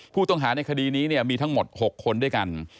ผู้ต้องหาในคดีนี้มีทั้งหมด๖คนด้วยกัน